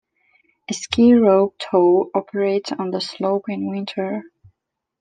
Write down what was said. A ski rope tow operates on the slope in winter.